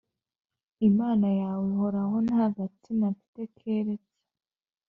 Imana yawe ihoraho nta gatsima mfite keretse